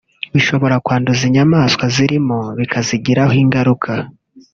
bishobora kwanduza inyamanswa zirimo bikazigiraho ingaruka